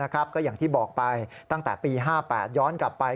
ก็อย่างที่บอกไปตั้งแต่ปี๕๘ย้อนกลับไป